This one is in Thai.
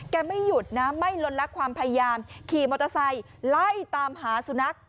ไม่หยุดนะไม่ลดลักความพยายามขี่มอเตอร์ไซค์ไล่ตามหาสุนัข